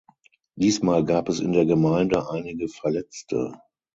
Diesmal gab es in der Gemeinde einige Verletzte.